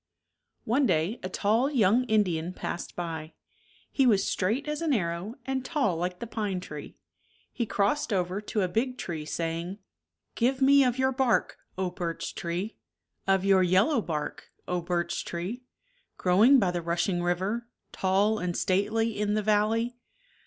One day a tall young Indian passed by. He was straight as an arrow and tall like the pine tree. He crossed over to a big tree, saying. Give me of your bark, O birch tree 1 Of your yellow bark, O birch tree I Growing by the rushing river, Tall and stately in the valley